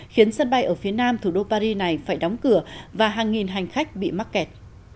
khiến sân bay ở phía nam thủ đô paris này phải đóng cửa và hàng nghìn hành khách bị mắc kẹt